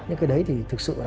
nhưng cái đấy thì thực sự là